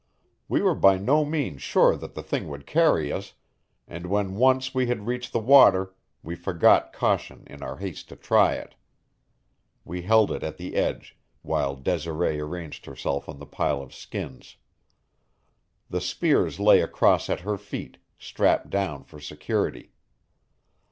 We were by no means sure that the thing would carry us, and when once we had reached the water we forgot caution in our haste to try it. We held it at the edge while Desiree arranged herself on the pile of skins. The spears lay across at her feet, strapped down for security.